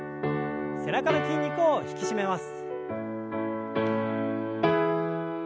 背中の筋肉を引き締めます。